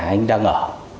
anh đang ở